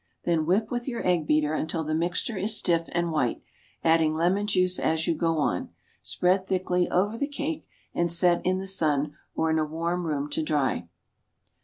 Then whip with your egg beater until the mixture is stiff and white, adding lemon juice as you go on. Spread thickly over the cake, and set in the sun, or in a warm room to dry.